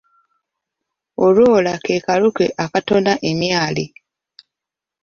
Olwola ke kaluke akatona emyali.